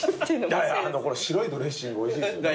いやいやこの白いドレッシングおいしいですよね。